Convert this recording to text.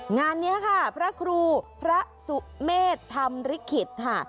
งานนี้ค่ะพระครูพระสุเมษธรรมริขิตค่ะ